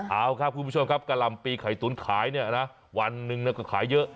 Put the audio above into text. เอาครับคุณผู้ชมครับกะหล่ำปีไข่ตุ๋นขายเนี่ยนะวันหนึ่งก็ขายเยอะ